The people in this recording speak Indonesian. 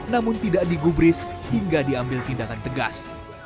namun tidak digubris hingga diambil tindakan tegas